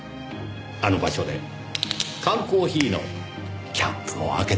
あの場所で缶コーヒーのキャップを開けた事です。